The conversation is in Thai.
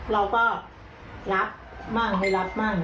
เราก็รับบ้างไม่รับบ้าง